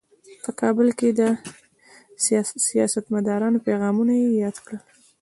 په کابل کې د سیاستمدارانو پیغامونه یې یاد کړل.